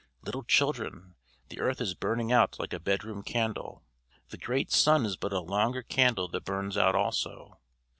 "Little children, the earth is burning out like a bedroom candle. The great sun is but a longer candle that burns out also.